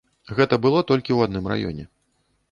Гэта было толькі ў адным раёне.